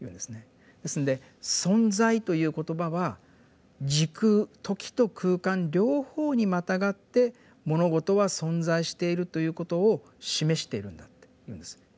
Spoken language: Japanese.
ですので「存在」という言葉は「時空」「時」と「空間」両方にまたがって物事は存在しているということを示しているんだっていうんです。